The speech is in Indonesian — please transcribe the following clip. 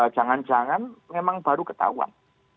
jangan jangan memang baru ketahuan